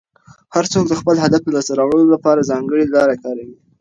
هر څوک د خپل هدف د لاسته راوړلو لپاره ځانګړې لاره کاروي.